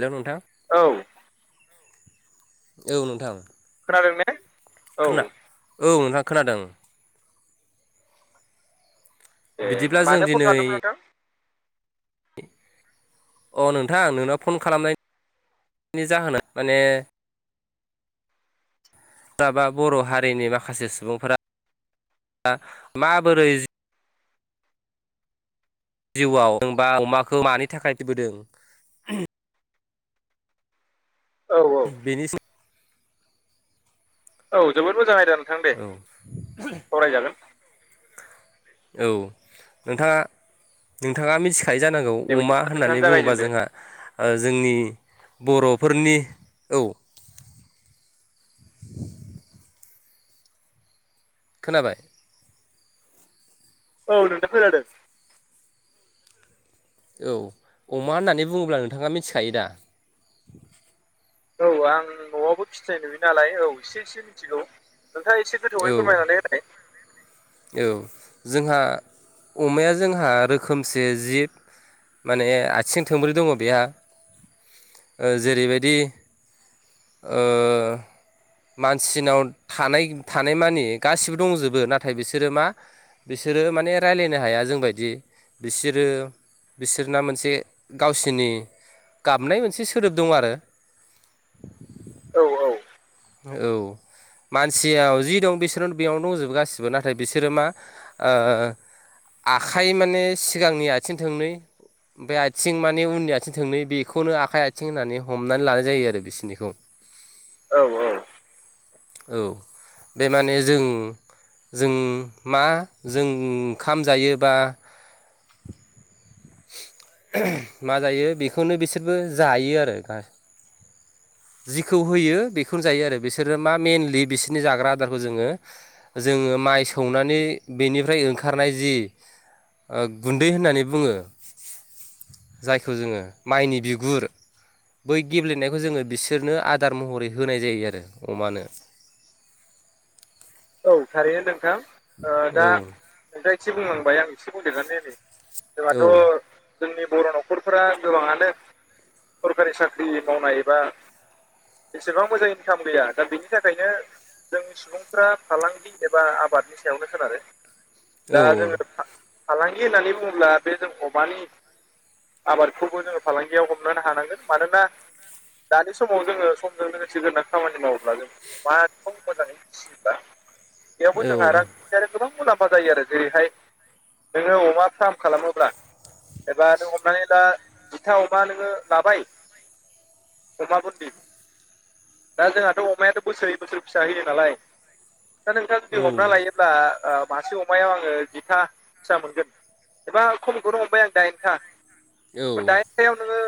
हेल' नोंथां औ औ नोंथां खोनादोंने खोन औ नोंथां खोनादों। ए बिदिब्ला जों मानो फन खालामदोंमोन दिनै नोंथां। अ नोंथां नोंनाव फन खालामनायनि जाहोना माने बा बर' हारिनि माखासे सुबुंफोरा माबोरै जिउआव जबा अमाखौ मानि थाखायबोदों औ औ बेनि औ जोबोद मोजां आयदा नोंथां दे औ सावरायजागोन औ नोंथाङा नोंथाङा मिथिखायो जानांगौ दे अमा बिदिब्ला नोंथाङानो होननानै बुङोबा जागायजेनदो जोंहा जोंनि बर'फोरनि औ खोनाबाय औ नोंथां खोनादों औ अमा होननानै बुङोब्ला नोंथाङा मिथिखायो दा औ आं न'आवबो फिथाय नुयो नालाय औ एसे एसे मिथिगौ नोंथाङा एसे औ फोरमायनानै होनाय औ जोंहा अमाया जोंहा रोखोमसे जिब माने आथिं थोंब्रै दङ बेहा जेरैबायदि ओ मानसिनाव थानाय थानाय मानि गासिबो दंजोबो नाथाय बिसोरो मा बिसोरो माने राय्लायनो हाया जोंबायदि बिसोरो बिसोरना मोनसे गावसिोरनि गाबनाय मोनसे सोदोब दं आरो औ औ औ मानसिनाव जि दं बिसोर बेयावनो दंजोबो गासिबो नाथाय बिसोरो मा आखाइ माने सिगांनि आथिं थोंनै ओमफ्राय आथिं माने उननि आथिं थोंनै बेखौनो आखाइ आथिं होननानै हमनानै लानाय जायो आरो बिसिोरनिखौ औ औ औ बे माने जों जों मा जों ओंखाम जायोबा मा जायो बेखौनो बिसोरबो जायो आरो जिखौ होयो बेखौनो जायो आरो बिसोरो मा मेनलि बिसोरनि जाग्रा आदारखौ जोङो जोङो माइ सौनानै बेनिफ्राय ओंखारनाय जि ओ गुन्दै होननानै बुङो। जायखौ जोङो माइनि बिगुर बै गेब्लेनायखौ जोङो बिसोरनो आदार महरै होनाय जायो आरो अमानो औ थारैनो नोंथां औ दा नोंथाङा एसे बुंलांबाय आं एसे बुंदेरनै होनि औ बेबाथ' जोंनि बर' न'खरफोरा गोबाङानो सरखारि साख्रि मावनाय एबा एसेबां मोजां इनकाम गैया दा बेनि थाखायनो जोंनि सुबुंफ्रा फालांगि एबा आबादनि सायावनो खोनारो औ दा जोङो फालांगि होननानै बुङोब्ला बे जों अमानि आबादखौबो जोङो फालांगियाव हमानो हानांगोन मानोना दानि समाव जोङो समजों लोगोसे [inaudible] खामानि मावोब्ला जों दाथ' मोजाङै [inaudible] बेयावबो औ जोंहा रांखान्थियारि गोबां मुलाम्फा जायो आरो जेरैहाय नोङो अमा फार्म खालामोब्ला एबा नों हमनानै ला जिथा हमा नोङो लाबाय। अमा बुन्दि दा जोंहाथ' अमायाथ' बोसोरै बोसोरै फिसा होयो नालाय दा नोंथाङा औ जुदि हमना लायोब्ला मासे अमायाव आङो जिथा फिसा मोनगोन। एबा खमखौनो हमबाय आं दाइनथा दाइनथायाव नोङो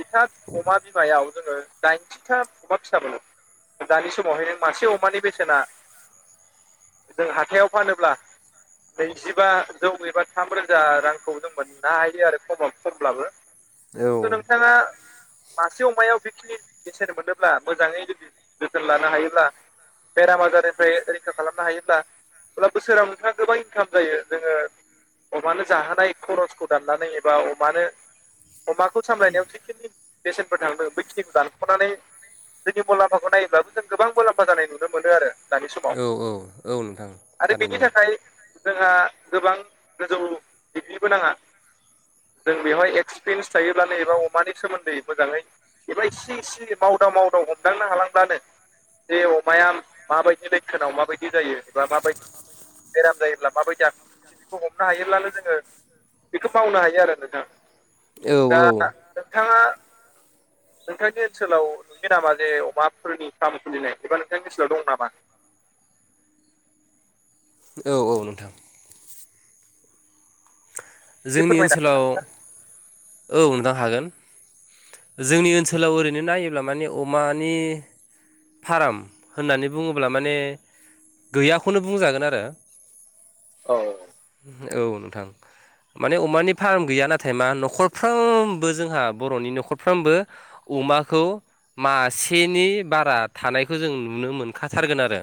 जिथा अमा बिमायाव जोङो दाइनथिथा अमा फिसा मोनो दानि समावहाय नों मासे अमानि बेसेना जों हाथायाव फानोब्ला नैजिबाजौ एबा थाम रोजा रांखौ जों मोननो हायो आरो खमाव खमब्लाबो। औ। [unintelligible] मासे अमायाव बेखिनि बेसेन मोनोब्ला मोजाङै जुदि जोथोन लानो हायोब्ला बेराम आजार फ्राय रैखा खालामनो हायोब्ला अब्ला बोसोराव नोंथाङा गोबां इनकाम जायो जोङो अमानो जाहोनाय खरसखौ दाननानै एबा अमानो अमाखौ सामलायनायाव जिखिनि बेसेनफोर थांदों बैखिनिखौ दानख'नानै जोंनि मुलाम्फाखौ नायोबब्ला बिसोर गोबां मुलाम्फा जानाय नुनो मोनो आरो। दानि समाव औ औ औ नोंथां आरो बिनि थारैनो थाखाय जोंहा गोबां गोजौ ग्रिबो नाङा। जों बेवहाय एक्सपिरियेन्स थायोब्लानो एबा अमानि सोमोन्दै मोजाङै बेबायदि [inaudible] मावदां मावदां हमदांनो हालांब्लानो जे अमाया माबायदि लैखोनाव माबायदि जायो एबा माबायदि बेराम जायोब्ला माबायदि आखुखौ हमनो हायोब्लाानो जोङो बेखौ बावनो हायो आरो नोंथां। औ। दा औ नोंथाङा नोंथांनि ओनसोलाव नुयो नामा जे अमाफोरनि फार्म खुलिनाय एबा नोंथांनि ओनसोलाव दं नामा? बा औ औ नोंथां। एसे जोंनि फोरमायनो हागोन ना ओनसोलाव नोंथां? औ नोंथां हागोन। जोंनि ओनसोलाव ओरैनो नायोब्ला माने अमानि फार्म होननानै बुङोब्ला माने गैयाखौनो बुंजागोन आरो। औ। औ नोंथां। माने अमानि फार्म गैया नाथाय मा न'खरफ्रोमबो जोंहा बर'नि न'खरफ्रोमबो अमाखौ मासेनि बारा थानायखौ जों नुनो मोनखाथारगोन आरो।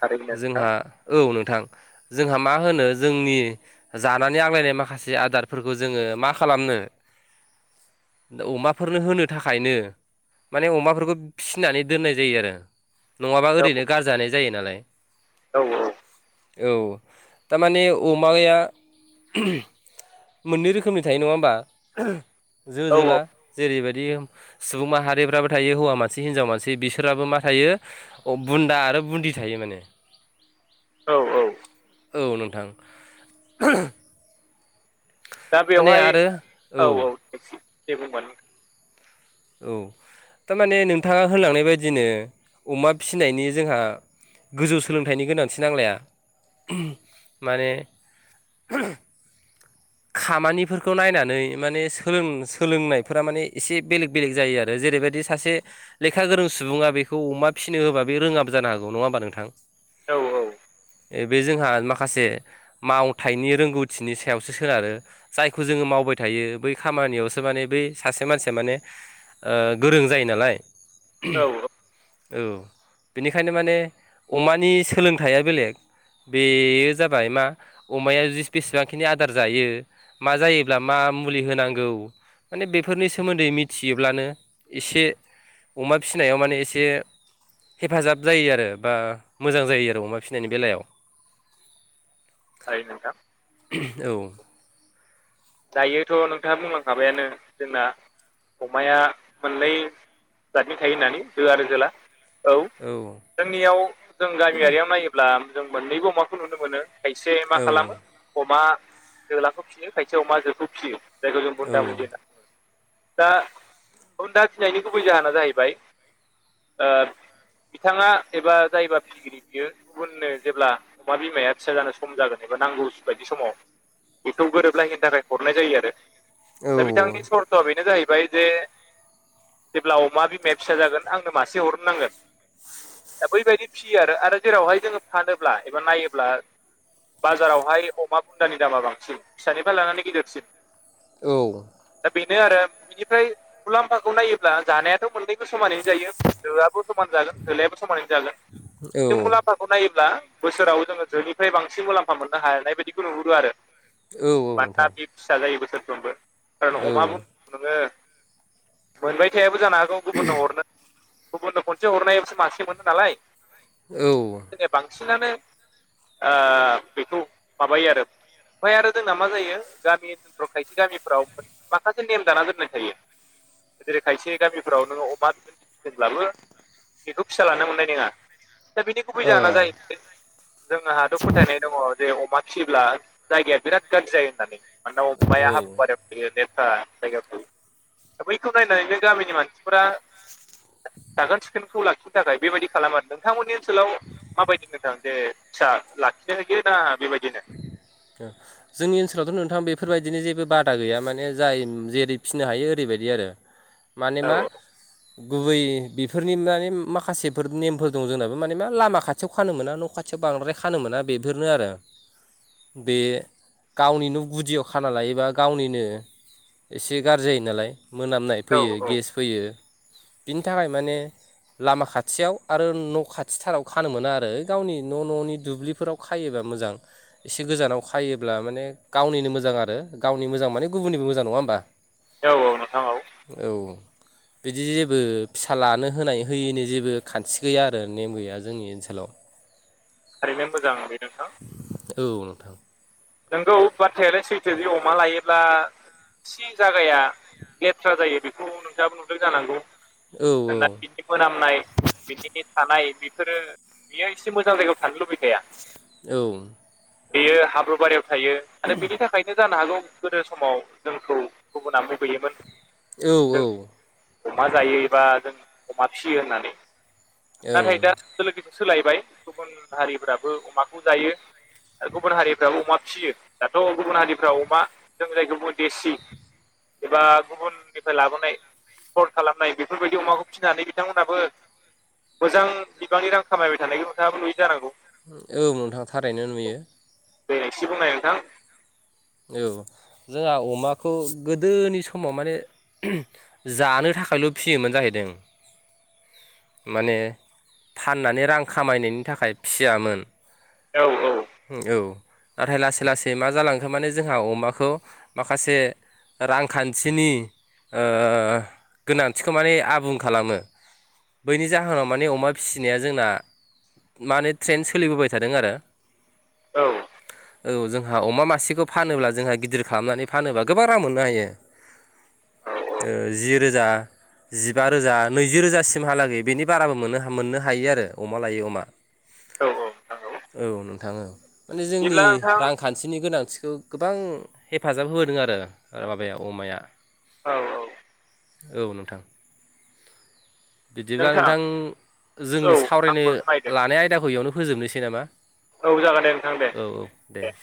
थारैनो नोंथां जोंहा औ नोंथां जोंहा मा होनो जोंनि जानानै आग्लायनाय माखासे आदारफोरखौ जोङो मा खालामनो अमाफोरनो होनो थाखायनो माने अमाफोरखौ फिसिनानै दोननाय जायो आरो नङाबा औ ओरैनो गारजानाय जायो नालाय औ औ। औ थारमाने अमाया मोननै रोखोमनि थायो नङा होमबा? जो जोला औ जेरैबा बिदि सुबुं माहारिफ्राबो थायो हौवा मानसि हिनजाव मानसि बिसोराबो मा थायो अ बुन्दा आरो बुन्दि थायो माने औ औ औ नोंथां दा माने बेवहाय आरो औ औ थक्सि बेबोमोन [inaudible] औ थारमाने नोंथाङा होनलांनाय बायदिनो अमा फिनायनि जोंहा गोजौ सोलोंथाइनि गोनांथि नांलाया माने [inaudible] खामानिफोरखौ नायनानै माने सोलों सोलोंनायफोरा माने एसे बेलेग बेलेग जायो आरो जेरैबायदि सासे लेखा गोरों सुबुङा बेखौ अमा फिसिनो होबा बे रोङाब जानो हागौ नङा ओमबा नोंथां औ औ बे जोंहा माखासे मावथाइनि रोंगौथिनि सायावसो सोनारो जायखौ जोङो मावबाय थायो बै खामानियावसो माने बै सासे मानसिया माने ओ गोरों जायो नालाय औ औ औ बेनिखायनो माने अमानि सोलोंथाइया बेलेग बेयो जाबाय मा अमाया बेसेबांखिनि आदार जायो। मा जायोब्ला मा मुलि होनांगौ माने बेफोरनि सोमोन्दै मि थियोब्लानो एसे अमा फिसिनायाव माने एसे हेफाजाब जायो आरो बा मोजां जायो आरो अमा फिसिनायनि बेलायाव [inaudible] थारै नोंथां औ दायोथ' नोंथाङा बुंलांखाबायानो जोंना अमाया मोनलै जादनि थायो होननानै जो आरो जोला औ जोंनियाव जों गामियारियाव नायोब्ला जों मोननैबो अमाखौ नुनो मोनो। खायसे मा औ खालामो अमा जोलाखौ फिसियो खायसे अमाजोखौ फिसियो। जायखौ जों औ बुन्दा बुजि होनना [unintelligible] दा बुन्दा फिसिनायनि गुबै जाहोना जाहैबाय ओ बिथाङा एबा जायबा बियो गुबुननो जेब्ला अमा बिमाया फिसा जानो सम जागोन एबा नांगौ बायदि समाव बेखौ गोरोबलायैनो थाखाय हरनाय जायो आरो दा औ बिथांनि सर्थ'आ बेनो जाहैबाय जे जेब्ला अमा बिमाया फिसा जागोन आंनो मासे हरनो नांगोन दा बैबायदि फिसियो आरो जेरावहाय जोङो फानोब्ला एबा नायोब्ला बाजारावहाय अमा बुन्दानि दामा बांसिन फिसानिफ्राय लानानै गिदिरसिन औ दा बेनो आरो बेनिफ्राय मुलाम्फाखौ नायोब्ला जानायाथ' मोननैखौ समानै जायो। जोआबो समान जागोन जोलायाबो समानै जागोन किनतु औ मुलाम्फा खौ नायोब्ला बोसोराव जोङो जोनिफ्राय बांसिन मुलाम्फा मोननो हानाय बायदिखौ नुहुरो आरो औ औ मानोना नोंथां बि फिसा जायो बोसोरफ्रोमबो खारन औ अमा बुं नोङो [unintelligible] मोनबाय थाबो जानो हागौ गुबुननो हरनो गुबुननो खनसे हरनायावसो मासे मोनो नालाय औ माने बांसिनानो ओ बेखौ माबायो आरो ओमफ्राय आरो जोंना मा जायो गामि ओनसोलफ्राव खायसे गामिफ्राव माखासे नेम दाना जोननाय थायो‌। जेरै खायसे गामिफोराव नोङो अमा बिफोरनि फिजों लाबो बेखौ फिसा लानो मोननाय नङा दा बिनि गुबै जाहोना औ जाहै जोंहाथ' फोथायनाय दङ जे अमा फियोब्ला जायगाया बिराद गाज्रि जायो होननानै मानोन अमाया हाब्रु बारियाव लेथ्रा जायगाखौ दा बैखौ नायनानै बे गामिनि मानसिफोरा साखोन सिखोनखौ लाखिनो थाखाय बेबायदि खालाम आरो नोंथांमोननि ओनसोलाव माबायदि नोंथां जे फिसा लाखिनो होयो ना बेबायदिनो द जोंनि ओनसोलावथ' नोंथां बेफोरबायदिनो जेबो बादा गैया माने जाय जेरै फिनो हायो ओरैबायदि आरो औ मानिमा गुबै बेफोरनि माने माखासेफोर नेमफोर दं जोंनाबो माने मा लामा खाथियाव खानो मोना न' खाथि ए बांद्राय खानो मोना बेफोरनो आरो बे गावनिनो गुदियाव खाना लायोबा गावनिनो एसे गाज्रि जायो नालाय मोनामनाय औ फैयो औ गेस फैयो बिनि थाखाय माने लामा खाथियाव आरो न' खाथिथाराव खानो मोना आरो गावनि न' न'नि दुब्लिफोराव खायोबा मोजां एसे गोजानाव खायोब्ला माने गावनिनो मोजां आरो गावनि मोजां माने गुबुननिबो मोजां नङा होमबा थाङाव औ बिदि जेबो फिसा लानो होनाय होयैनि जेबो खान्थि गैया आरो नेम गैया जोंनि ओनसोलाव ओरैनो मोजां बे नोंथां औ नोंथां नोंगौ बाथ्रायालाय सैथो बे अमा लायो ब्ला एसे जागाया लेथ्रा जायो बेखौ नोंथाङाबो नुदों जानांगौ औ न मोनामनाय बिसिनि थानाय बेफोरो बेयो एसे मोजां जायगायाव थांनो लुबैखाया औ बेयो हाब्रुुबारियाव थायो आरो बिनि थाखायनो जानो हागौ गोदो समाव जोंखौ गुबुना लुगैयोमोन औ औ अमा जायोबा जों अमा फियो होननानै ओं नाथाय दा लोगोसे सोलायबाय गुबुन हारिफ्राबो अमाखौ जायो आरो गुबुन हारि अमा फिसियो दाथ' गुबुन हारिफ्रा अमा जों जायखौ गुब देसि एबा गुबुननिफ्राय लाबोनाय ल खालामनाय बेफोरबायदि अमाखौ फिसिनानै बिथांमोनहाबो मोजां बिबांनि रां खामायबाय थानायखौ नोथाङाबो नुयि जानांगौ औ नोंथाङा थारैनो नुयो दे एसे बुंनाय नोंथां औ जोंहा अमाखौ गोदोनि समाव माने जानो थाखायल' फियोमोन जाहैदों माने फाननानै रां खामायनायनि थाखाय फियामोन औ औ औ नाथाय लासै लासै मा जालांखो माने जोंहा अमाखौ माखासे रांखान्थिनि गोनांथिखौ माने आबुं खालामो बैनि जाहोनाव माने अमा फिसिनाया जोंना माने ट्रेेन सोलिबोबाय थादों आरो औ औ जोंहा अमा मासेखौ फानोब्ला जोंहा गिदिर खालामनानै फानोब्ला गोबां रां मोननो हायो औ जि रोजा जिबा रोजा नैजि रोजासिमहालागै बेनि बाराबो मोनो मोननो हायो आरो अमा लायै अमा औ औ नंगौ औ नोंथां माने जोंनि रांखा खान्थिनि गोनांथिखौ गोबां हेफाजाब होबोदों आरो माबाया अमाया औ औ औ नोंथां बिदिब्ला नोंथां जोंनि औ सावरायनो आंबो नायदों लानाय आयदाखौ बेयावनो फोजोबनोसै नामा औ जागोन द नोंथां दे औ औ दे